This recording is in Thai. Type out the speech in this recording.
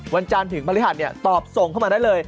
วันจานถึงบริหารตอบส่งเข้ามาได้เลย